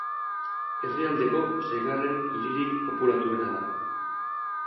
Herrialdeko seigarren hiririk populatuena da.